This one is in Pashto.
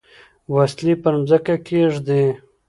وسلې پر مځکه کښېږدي.